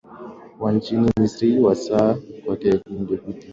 wa nchini misri wasaa kwake edwin david ndeketela